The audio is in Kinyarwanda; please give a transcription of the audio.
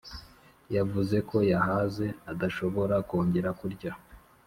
yavuze ko yahaze adashobora kongera kurya